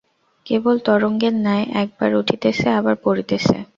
কেবল তরঙ্গের ন্যায় একবার উঠিতেছে, আবার পড়িতেছে।